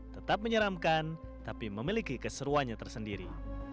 tetap menyeramkan tapi memiliki keseruannya tersendiri